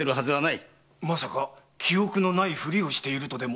まさか記憶のないふりをしているとでも？